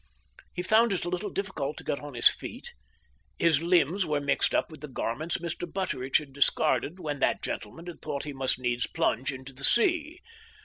He found it a little difficult to get on his feet. His limbs were mixed up with the garments Mr. Butteridge had discarded when that gentleman had thought he must needs plunge into the sea.